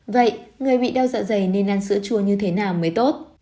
vậy người bị đau dạ dày nên ăn sữa chua như thế nào mới tốt